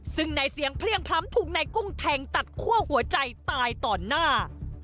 ซึ่งในเสียงเพลี่ยงพล้ำถูกนายกุ้งแทงตัดคั่วหัวใจตายต่อหน้า